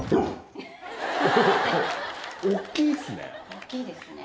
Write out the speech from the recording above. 大きいですね。